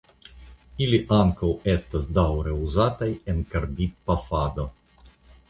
Ili ankaŭ estas daŭre uzataj en karbidpafado.